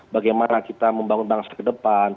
bagaimana kita membangun bangsa ke depan